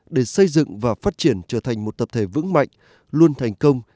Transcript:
để xây dựng và phát triển trở thành một tập thể vững mạnh luôn thành công